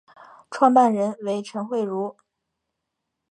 创办人为陈惠如。